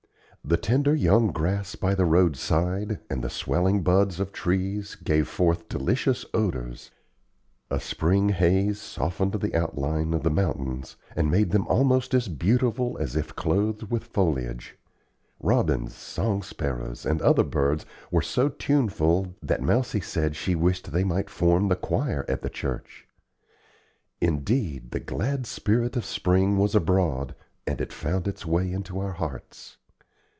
The tender young grass by the roadside, and the swelling buds of trees, gave forth delicious odors; a spring haze softened the outline of the mountains, and made them almost as beautiful as if clothed with foliage; robins, song sparrows, and other birds were so tuneful that Mousie said she wished they might form the choir at the church. Indeed, the glad spirit of Spring was abroad, and it found its way into our hearts.